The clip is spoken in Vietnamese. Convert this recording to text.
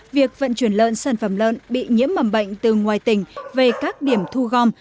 việc vận chuyển lợn sản phẩm lợn bị nhiễm mầm bệnh từ ngoài tỉnh về các điểm thu gom